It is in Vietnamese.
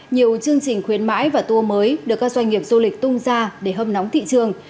nhiều chương trình khuyến mãi và tour mới được các doanh nghiệp du lịch tung ra để hâm nóng thị trường